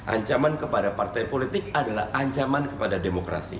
ancaman kepada partai politik adalah ancaman kepada demokrasi